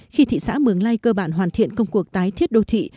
khi thị xã mường lây cơ bản hoàn thiện công cuộc tái thiết đô thị